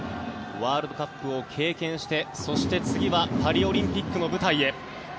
ワールドカップを経験してそして次はパリオリンピックの舞台へ。